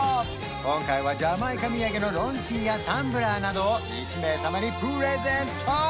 今回はジャマイカ土産のロンＴやタンブラーなどを１名様にプレゼント！